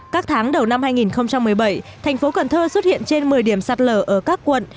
các tháng đầu năm hai nghìn một mươi bảy thành phố cần thơ xuất hiện trên một mươi điểm sạt lở ở các quận